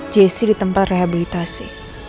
jessy di tempat rehabilitasi